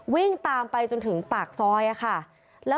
วิ่งตามไปจนถึงปากซอยค่ะ